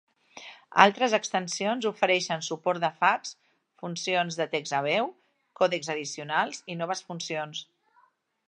Altres extensions ofereixen suport de fax, funcions de text a veu, còdecs addicionals i noves funcions.